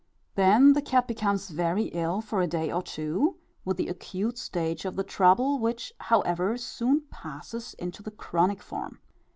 Then the cat becomes very ill, for a day or two, with the acute stage of the trouble, which, however, soon passes into the chronic form.